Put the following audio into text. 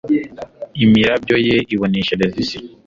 imirabyo ye iboneshereza isi